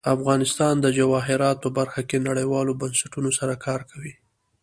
افغانستان د جواهرات په برخه کې نړیوالو بنسټونو سره کار کوي.